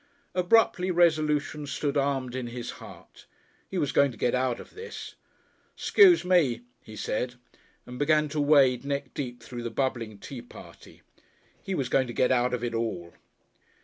Abruptly resolution stood armed in his heart. He was going to get out of this! "'Scuse me," he said, and began to wade neck deep through the bubbling tea party. He was going to get out of it all!